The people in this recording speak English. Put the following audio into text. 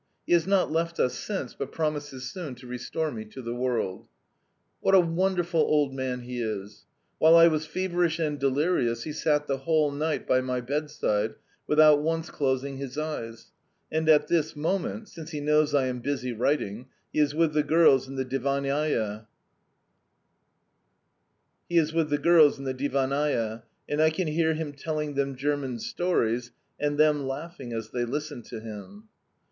He has not left us since, but promises soon to restore me to the world. "What a wonderful old man he is! While I was feverish and delirious he sat the whole night by my bedside without once closing his eyes; and at this moment (since he knows I am busy writing) he is with the girls in the divannaia, and I can hear him telling them German stories, and them laughing as they listen to him.